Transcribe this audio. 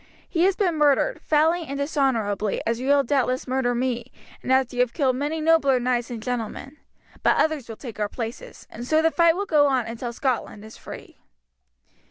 He has been murdered, foully and dishonourably, as you will doubtless murder me, and as you have killed many nobler knights and gentlemen; but others will take our places, and so the fight will go on until Scotland is free."